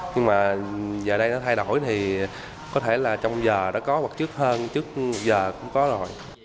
nhưng mà giờ đây nó thay đổi thì có thể là trong giờ nó có hoặc trước hơn trước giờ cũng có rồi